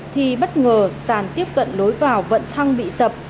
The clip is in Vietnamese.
thì bất ngờ sàn tiếp cận lối vào vận thăng bị sập